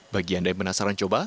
bagi anda yang penasaran coba